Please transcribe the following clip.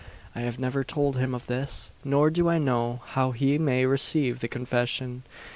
"I have never told him of this; nor do I know how he may receive the confession.